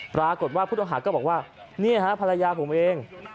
ปรากฏว่าผู้ต้องหาก็บอกว่านี่ฮะภรรยาผมเอง